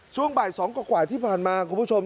ช่วงบ่าย๒กว่าที่ผ่านมาคุณผู้ชม